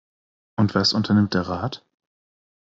Und was unternimmt der Rat?